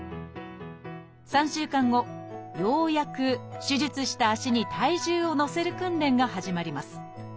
３週間後ようやく手術した足に体重をのせる訓練が始まります。